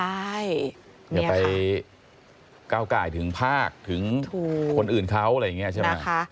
ใช่อย่าไปก้าวไก่ถึงภาคถึงคนอื่นเขาอะไรอย่างนี้ใช่ไหม